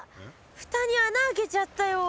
蓋に穴開けちゃったよ。